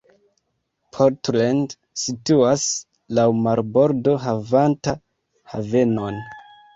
Portland situas laŭ marbordo havanta havenon.